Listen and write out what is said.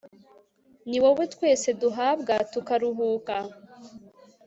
ni wowe twese duhabwa tukaruhuka